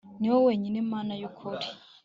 ni wowe wenyine, mana y'ukuri